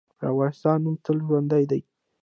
د افغانستان نوم تل ژوندی دی.